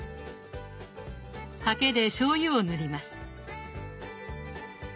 ハケでしょうゆを塗ります。